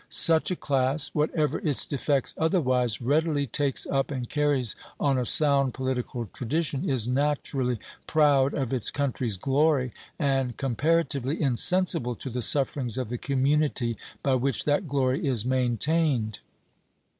Such a class, whatever its defects otherwise, readily takes up and carries on a sound political tradition, is naturally proud of its country's glory, and comparatively insensible to the sufferings of the community by which that glory is maintained.